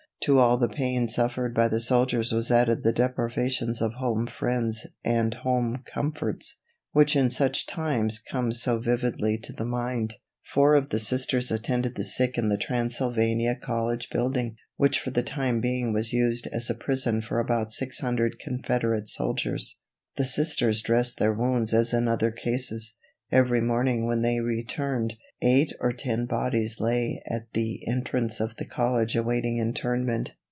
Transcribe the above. To all the pain suffered by the soldiers was added the deprivations of home friends and home comforts, which in such times come so vividly to the mind. Four of the Sisters attended the sick in the Transylvania College building, which for the time being was used as a prison for about six hundred Confederate soldiers. The Sisters dressed their wounds as in other cases. Every morning when they returned, eight or ten dead bodies lay at the entrance of the college awaiting interment.